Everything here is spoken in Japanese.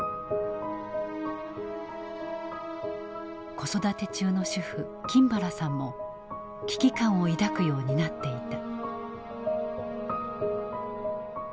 子育て中の主婦金原さんも危機感を抱くようになっていた。